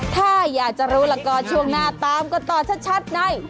ถ้าอยากจะรู้ละก่อนช่วงหน้าตามก็ตอบชัดใน